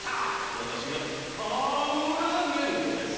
わたしがあぶらねんどです。